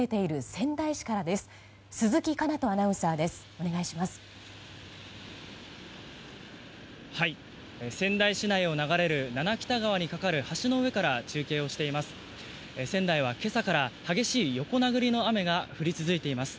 仙台市内を流れる七北田川に架かる橋の上から中継をしています。